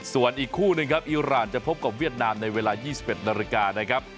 ส่วนอีกคู่หนึ่งครับอีรานจะพบกับเวียดนามในเวลา๒๑นาฬิกานะครับ